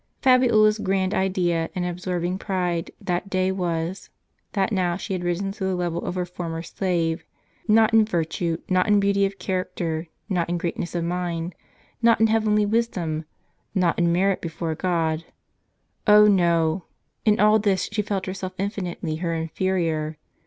Fabiola' s grand idea and absorbing pride, that day was, that now she had risen to the level of her former slave : not in virtue, not in beauty of character, not in greatness of mind, not in heavenly wisdom, not in merit before God ; oh ! no ; in all this she felt herself infinitely her inferior.